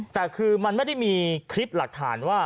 แต่คือมันไม่ได้มีคลิปหลักฐานว่า